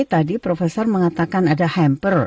tadi profesor mengatakan ada hamper